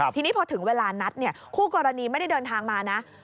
ทีนี้พอถึงเวลานัดคู่กรณีไม่ได้เดินทางมานะ